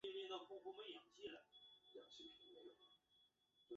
因位于旧鼓楼大街北侧而得名。